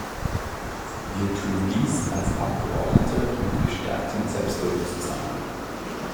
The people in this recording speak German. Wir tun dies als Abgeordnete mit gestärktem Selbstbewusstsein.